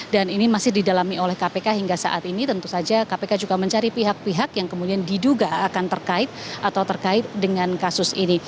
dan ini masih didalami oleh kpk hingga saat ini tentu saja kpk juga mencari pihak pihak yang kemudian diduga akan terkait atau terkait dengan kasus ini